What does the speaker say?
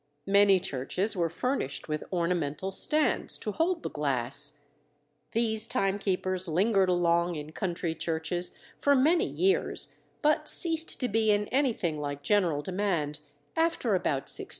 Many churches were furnished with ornamental stands to hold the glass. These timekeepers lingered along in country churches for many years, but ceased to be in anything like general demand after about 1650.